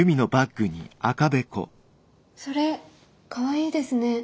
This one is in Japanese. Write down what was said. それかわいいですね。